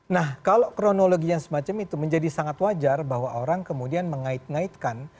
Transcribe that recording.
nah kalau kronologi yang semacam itu menjadi sangat wajar bahwa orang kemudian mengait ngaitkan